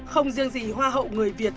không riêng gì hoa hậu người việt